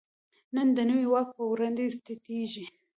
نن د نوي واک په وړاندې ټیټېږي.